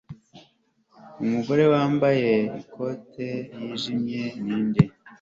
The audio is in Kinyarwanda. Umugore wambaye ikote ryijimye ninde